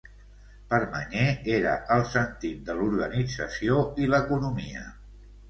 Permanyer era el sentit de l'organització i l'economia.